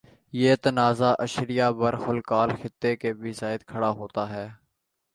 یہ تنازع ایشیا بحرالکاہل خطے پر بھی کھڑا ہوتا ہے